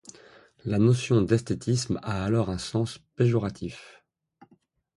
La notion d'esthétisme a alors un sens péjoratif.